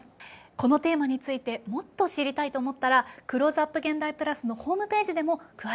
このテーマについてもっと知りたいと思ったら「クローズアップ現代＋」のホームページでも詳しい情報をご紹介しています。